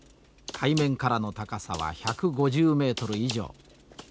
海面からの高さは１５０メートル以上。